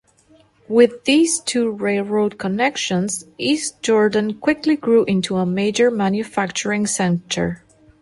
With these two railroad connections, East Jordan quickly grew into a major manufacturing center.